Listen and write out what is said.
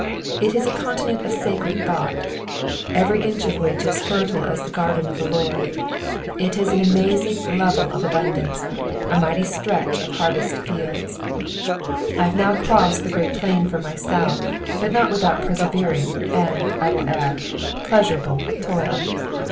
It is a continent of sacred thought, every inch of which is fertile as the garden of the Lord : it is an amazing level of abundance, a mighty stretch of harvest fields. I have now crossed the great plain for myself, but not without persevering, and, I will add, pleasurable, toil.